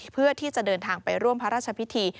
เพื่อที่จะเดินทางไปร่วมพระราชพิธี